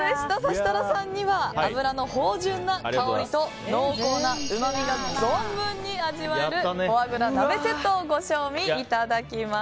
設楽さんには脂の芳醇な香りと濃厚なうまみが存分に味わえるフォアグラ鍋セットをご賞味いただきます。